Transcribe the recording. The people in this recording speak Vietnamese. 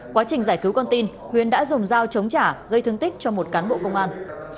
quá trình giải cứu con tin huyền đã dùng dao chống trả gây thương tích cho một cán bộ công an